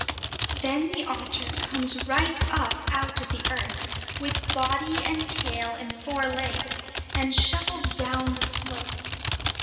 Then the otter comes right up out of the earth, with body and tail and four legs, and shuffles down the slope.